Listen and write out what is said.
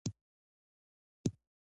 بدخشان د افغانستان د سیاسي جغرافیه برخه ده.